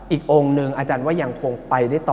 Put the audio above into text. อีกองค์หนึ่งอาจารย์ว่ายังคงไปได้ต่อ